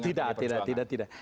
tidak tidak tidak